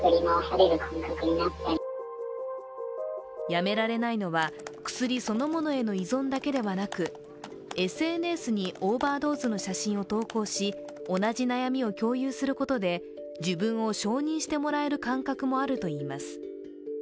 やめられないのは、薬そのものへの依存だけではなくＳＮＳにオーバードーズの写真を投稿し、同じ悩みを共有することで自分を承認してもらえる感覚もあるといいます。